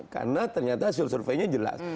karena ternyata hasil surveinya jelas